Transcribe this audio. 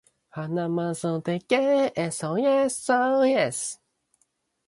At that time, computer programs were not recognized as copyrightable material.